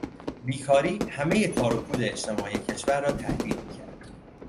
بیکاری همهی تاروپود اجتماعی کشور را تهدید میکرد.